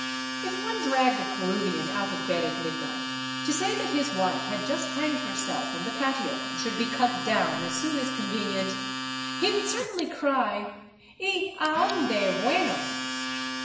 *' If one dragged a Peruvian out of bed at midnight to say that his wife had just hanged herself in the patio and should be cut down as soon as convenient, he would cer tainly cry, " Y a *onde vueno